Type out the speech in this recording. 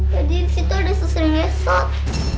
tadi disitu ada suster ngesot